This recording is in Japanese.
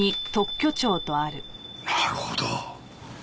なるほど！